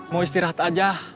mau istirahat aja